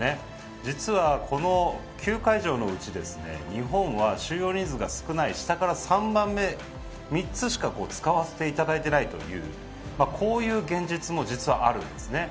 実は、この９会場のうち日本は収容人数が少ない下から３番目、３つしか使わせていただいていないという現実も実は、あるんですね。